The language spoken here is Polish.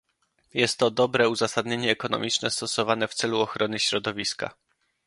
Jest to dobre uzasadnienie ekonomiczne stosowane w celu ochrony środowiska